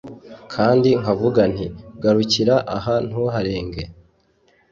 kandi nkavuga nti ‘garukira aha ntuharenge,